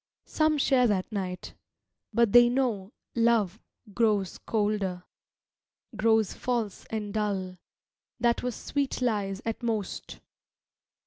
Some share that night. But they know, love grows colder, Grows false and dull, that was sweet lies at most.